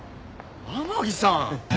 天樹さん！